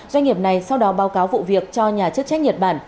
doanh nghiệp này sau đó báo cáo vụ việc cho nhà chức trách nhật bản